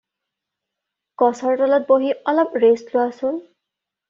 গছৰ তলত বহি অলপ ৰেষ্ট লোৱাচোন।